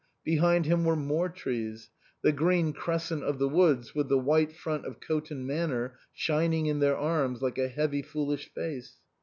Behind him were more trees ; the green crescent of the woods with the white front of Coton Manor shining in their arms like a heavy, foolish face.